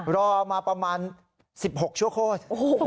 รอมาประมาณ๑๖ชั่วโคตร